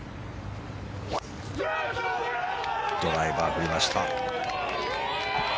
ドライバー振りました。